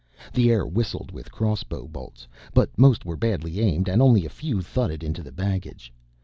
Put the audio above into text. The air whistled with crossbow bolts, but most were badly aimed and only a few thudded into the baggage.